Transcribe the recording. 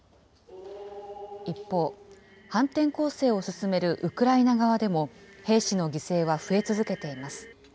一方、反転攻勢を進めるウクライナ側でも、兵士の犠牲は増え続けています。